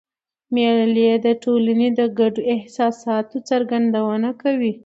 مېلې د ټولني د ګډو احساساتو څرګندونه کوي.